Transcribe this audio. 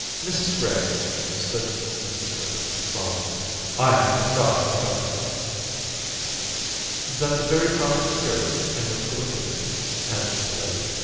* Mrs Gray,' replied Mrs Griffith, solemnly, * I haven't got a daughter.' * That's a very proper spirit in which to look at it,' answered the lady.